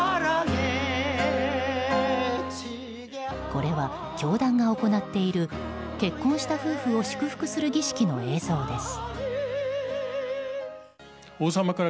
これは、教団が行っている結婚した夫婦を祝福する儀式の映像です。